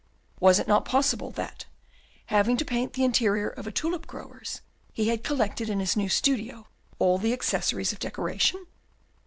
Was it not possible, that, having to paint the interior of a tulip grower's, he had collected in his new studio all the accessories of decoration?